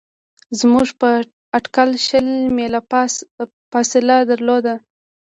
زموږ په اټکل شل میله فاصله درلوده.